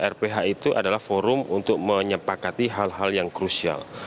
rph itu adalah forum untuk menyepakati hal hal yang krusial